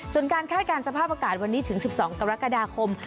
ส่วนการคาดการณ์สภาพอากาศวันนี้ถึง๑๒กรกฎาคม